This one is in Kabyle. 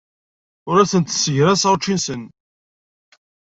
Ur asent-ssegraseɣ ucci-nsen.